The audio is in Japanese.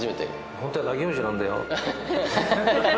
本当は泣き虫なんだよ。